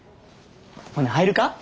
ほな入るか？